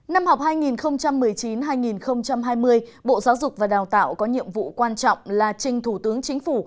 năm học hai nghìn một mươi chín hai nghìn hai mươi bộ giáo dục và đào tạo có nhiệm vụ quan trọng là trình thủ tướng chính phủ